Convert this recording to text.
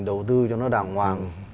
đầu tư cho nó đàng hoàng